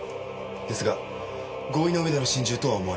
ですが合意の上での心中とは思われません。